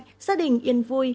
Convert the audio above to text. gia đình yên vui